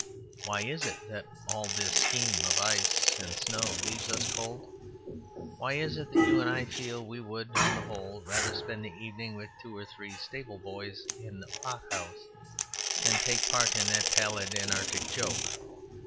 Why is it that all this scheme of ice and snow leaves us cold? Why is it that you and I feel that we would (on the whole) rather spend the evening with two or three stable boys in a pot house than take part in that pallid and Arctic joke?